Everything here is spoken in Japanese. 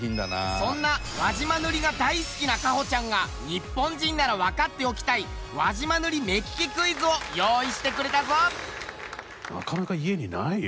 そんな輪島塗が大好きな花歩ちゃんが日本人ならわかっておきたい輪島塗目利きクイズを用意してくれたぞ！